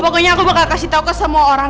pokoknya aku bakal kasih tau ke semua orang